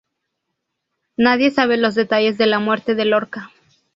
Nadie sabe los detalles de la muerte de Lorca.